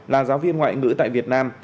là giáo viên ngoại ngữ tại việt nam